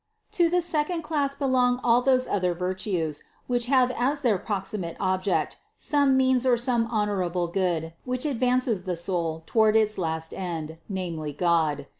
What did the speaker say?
To the second class belong all those other virtues, which have as their 374 CITY OF GOD proximate object some means or some honorable good, which advances the soul toward its last end, namely God.